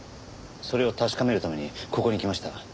それを確かめるためにここに来ました。